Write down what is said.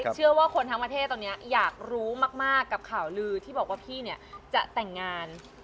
เชื่อว่าคนทั้งประเทศตอนนี้อยากรู้มากกับข่าวลือที่บอกว่าพี่เนี่ยจะแต่งงาน